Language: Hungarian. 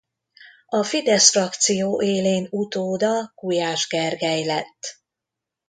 A Fidesz-frakció élén utóda Gulyás Gergely lett.